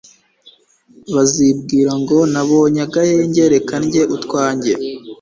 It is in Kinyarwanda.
bazibwira ngo nabonye agahenge, reka ndye utwanjye